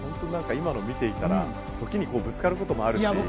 今のを見ていたら時にぶつかることもあるし。